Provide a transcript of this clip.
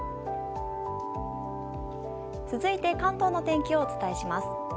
続いて関東の天気をお伝えします。